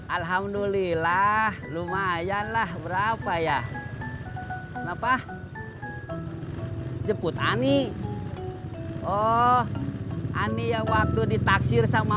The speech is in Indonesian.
alhamdulillah lumayan lah berapa ya kenapa jebut ani oh ani yang waktu ditaksir sama